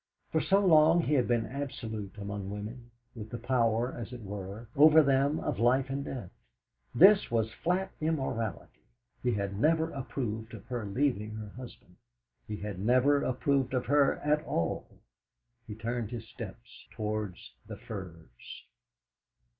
For so long he had been absolute among women, with the power, as it were, over them of life and death. This was flat immorality! He had never approved of her leaving her husband; he had never approved of her at all! He turned his steps towards the Firs.